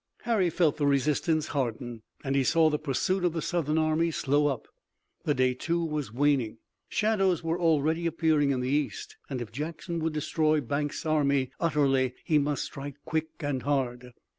Harry felt the resistance harden and he saw the pursuit of the Southern army slow up. The day, too, was waning. Shadows were already appearing in the east and if Jackson would destroy Banks' army utterly he must strike quick and hard.